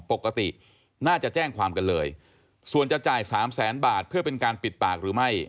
ปกติน่าจะแจ้งความกันเลยส่วนจะจ่ายสามแสนบาทเพื่อเป็นการปิดปากหรือไม่